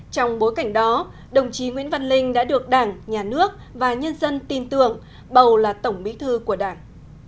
trong bối cảnh đó đồng chí nguyễn văn linh đã được đảng nhà nước và nhân dân tin tưởng bầu là tổng bí thư của đảng